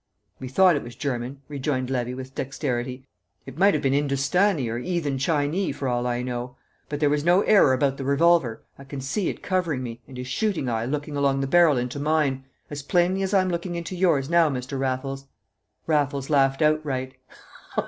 "We thought it was German," rejoined Levy, with dexterity. "It might 'ave been 'Industani or 'Eathen Chinee for all I know! But there was no error about the revolver. I can see it covering me, and his shooting eye looking along the barrel into mine as plainly as I'm looking into yours now, Mr. Raffles." Raffles laughed outright.